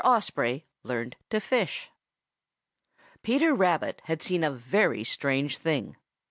OSPREY LEARNED TO FISH Peter Rabbit had seen a very strange thing.